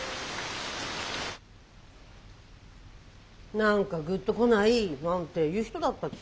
「何かグッとこない」なんて言う人だったっけ？